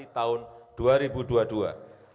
rapat koordinasi nasional investasi tahun dua ribu dua puluh dua